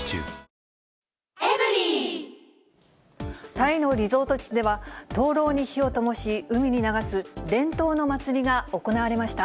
タイのリゾート地では、灯籠に火をともし、海に流す伝統の祭りが行われました。